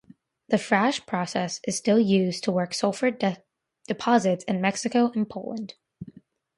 The Frasch process is still used to work sulfur deposits in Mexico and Poland.